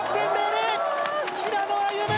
平野歩夢